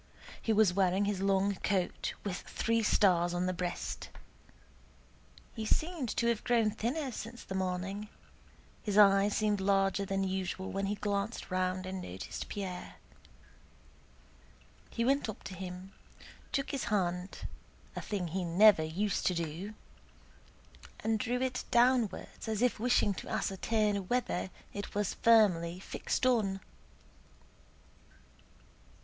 He was wearing his long coat with three stars on his breast. He seemed to have grown thinner since the morning; his eyes seemed larger than usual when he glanced round and noticed Pierre. He went up to him, took his hand (a thing he never used to do), and drew it downwards as if wishing to ascertain whether it was firmly fixed on.